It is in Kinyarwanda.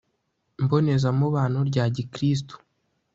mbonezamubano rya gikristu,